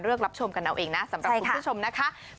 รับชมกันเอาเองนะสำหรับคุณผู้ชมนะคะ